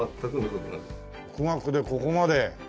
独学でここまで。